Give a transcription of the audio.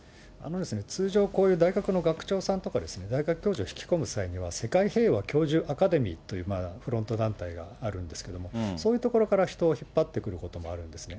通常、こういう大学の学長さんとか、大学教授を引き込む際には、世界平和教授アカデミーというフロント団体があるんですけれども、そういうところから人を引っ張ってくることもあるんですね。